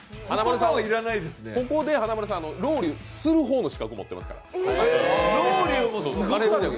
ここで華丸さん、ロウリュをする方の資格持ってますから。